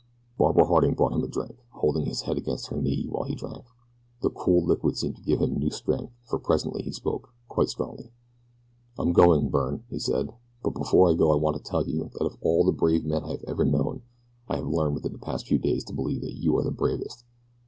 Barbara Harding brought him a drink, holding his head against her knee while he drank. The cool liquid seemed to give him new strength for presently he spoke, quite strongly. "I'm going, Byrne," he said; "but before I go I want to tell you that of all the brave men I ever have known I have learned within the past few days to believe that you are the bravest.